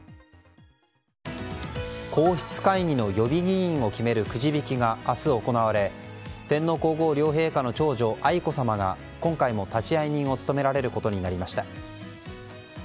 皇室会議の予備議員を決めるくじ引きが明日行われ天皇・皇后両陛下の長女愛子さまが今回も立会人を務められることになりました。